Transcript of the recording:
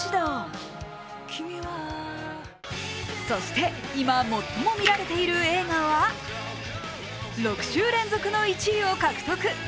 そして、今最も見られている映画は６週連続の１位を獲得